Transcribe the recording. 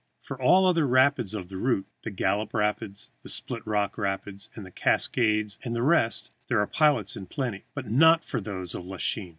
For all other rapids of the route, the Gallop Rapids, the Split rock Rapids, the Cascades, and the rest, there are pilots in plenty; but not for those of Lachine.